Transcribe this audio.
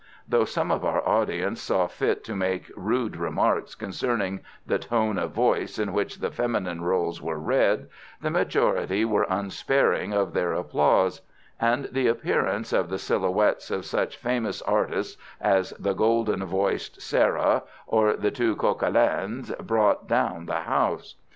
Though some of our audience saw fit to make rude remarks concerning the tone of voice in which the feminine rôles were read, the majority were unsparing of their applause; and the appearance of the silhouettes of such famous artists as the golden voiced Sarah or the two Coquelins brought down the house.